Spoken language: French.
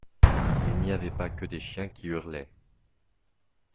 Il n'y avait pas que des chiens qui hurlaient.